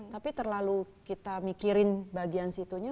tapi terlalu kita mikirin bagian situnya